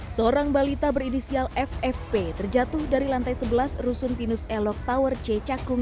seorang balita berinisial ffp terjatuh dari lantai sebelas rusun pinus elok tower c cakung